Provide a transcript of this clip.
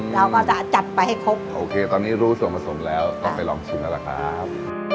เราก็จะจัดไปให้ครบโอเคตอนนี้รู้ส่วนผสมแล้วก็ไปลองชิมแล้วล่ะครับ